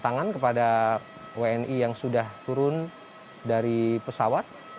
tangan kepada wni yang sudah turun dari pesawat